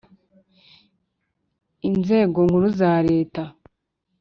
Inzego Nkuru za Leta